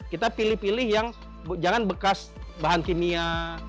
kita pilih pilih yang jangan bekas bahan kimia